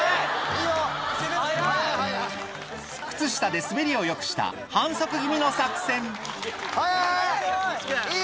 靴下で滑りをよくした反則気味の作戦速い速い！